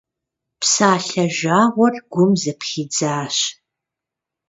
Псалъэ жагъуэр гум зэпхидзащ.